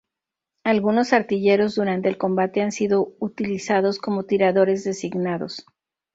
Algunos artilleros durante el combate han sido utilizados como tiradores designados.